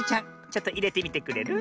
ちょっといれてみてくれる？